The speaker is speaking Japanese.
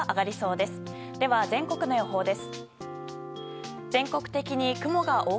では、全国の予報です。